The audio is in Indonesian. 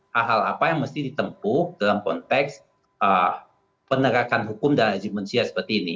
hal hal apa yang mesti ditempuh dalam konteks penegakan hukum dan azi manusia seperti ini